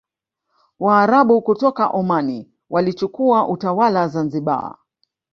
Waarabu kutoka Omani walichukua utawala Zanzibar